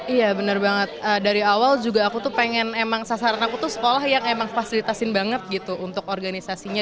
iya bener banget dari awal juga aku tuh pengen emang sasaran aku tuh sekolah yang emang fasilitasin banget gitu untuk organisasinya